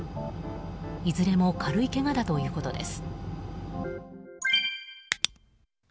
いずれも軽いけがだということです。